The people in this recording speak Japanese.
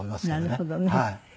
なるほどね。